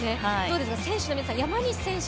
選手の皆さん、山西選手